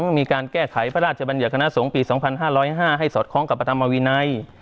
ต้องมีการแก้ไขพระราชบัญญาคณะสงฆ์ปี๒๕๐๕ให้สอดคล้องกับปฏิมวินัย